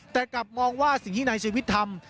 แต่กลับมองว่าสิ่งที่นายชีวิตทำ